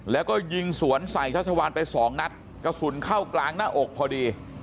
แล้วก็ยิงสวนใส่ชัชวานไปสองนัดกระสุนเข้ากลางหน้าอกพอดี